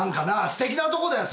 すてきなとこだよ